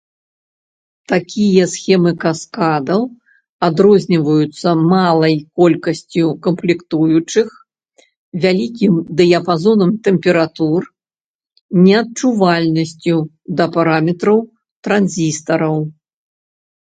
Такія схемы каскадаў адрозніваюцца малай колькасцю камплектуючых, вялікім дыяпазонам тэмператур, неадчувальнасцю да параметраў транзістараў.